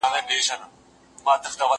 زه له سهاره واښه راوړم،